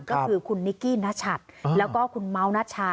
ก็คือคุณนิกกี้นัชัดแล้วก็คุณเมาส์นาชา